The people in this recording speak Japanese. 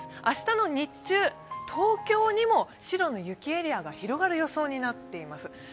明日の日中、東京にも白の雪エリアが広がる予想になっております。